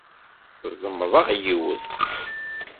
Zemḍeɣ yiwet.